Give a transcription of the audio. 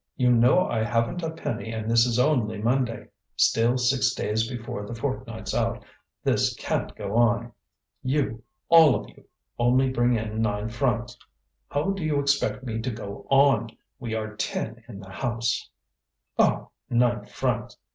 You know I haven't a penny and this is only Monday: still six days before the fortnight's out. This can't go on. You, all of you, only bring in nine francs. How do you expect me to go on? We are ten in the house." "Oh! nine francs!"